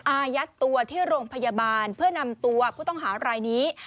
อายัดตัวที่โรงพยาบาลเพื่อนำตัวผู้ต้องหารายนี้